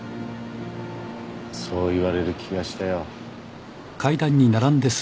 そう言われる気がしたよ。